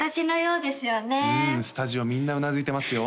うんスタジオみんなうなずいてますよ